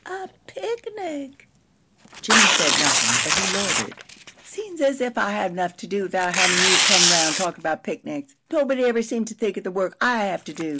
A picnic!" Jimmie said nothing, but he loitered. "Seems as if I had enough to do, without havin' you come round talkin' about picnics. Nobody ever seems to think of the work I have to do.